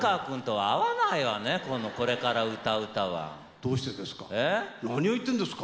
どうしてですか？